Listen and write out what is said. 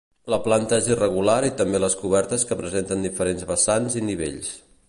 La planta és irregular i també les cobertes que presenten diferents vessants i nivells.